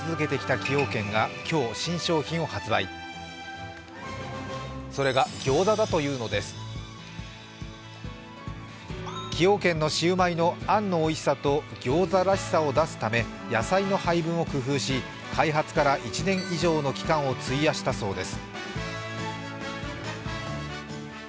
崎陽軒のシウマイのあんのおいしさとギョウザらしさを出すため野菜の配分を工夫し開発から１年以上の期間を費やしたそうです。